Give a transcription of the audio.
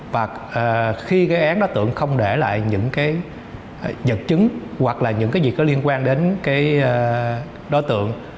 và khi gây án đối tượng không để lại những dật chứng hoặc những gì có liên quan đến đối tượng